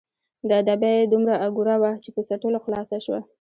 ـ د ابۍ دومره اګوره وه ،چې په څټلو خلاصه شوه.